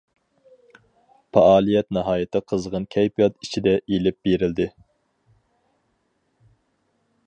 پائالىيەت ناھايىتى قىزغىن كەيپىيات ئىچىدە ئېلىپ بېرىلدى.